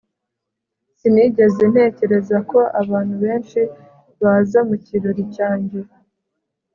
Sinigeze ntekereza ko abantu benshi baza mu kirori cyanjye